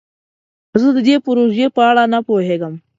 زه د دې پروژې په اړه نه پوهیږم.